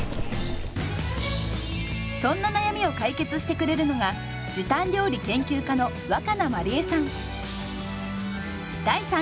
そんな悩みを解決してくれるのが時短料理研究家の若菜まりえさん。